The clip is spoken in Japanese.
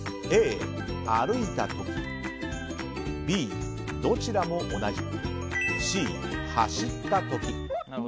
Ａ、歩いた時Ｂ、どちらも同じＣ、走った時。